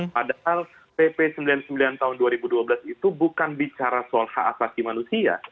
padahal pp sembilan puluh sembilan tahun dua ribu dua belas itu bukan bicara soal hak asasi manusia